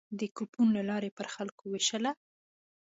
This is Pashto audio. د کوپون له لارې پر خلکو وېشله.